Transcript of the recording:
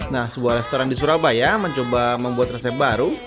nah sebuah restoran di surabaya mencoba membuat resep baru